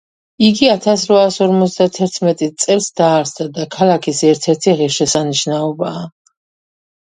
იგი ათასრვაასორმოცდათერტმეტი წელს დაარსდა და ქალაქის ერთერთი ღირსშესანიშნაობაა